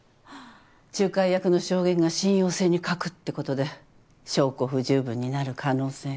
仲介役の証言が信用性に欠くってことで証拠不十分になる可能性が。